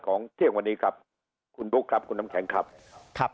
เที่ยงวันนี้ครับคุณบุ๊คครับคุณน้ำแข็งครับครับ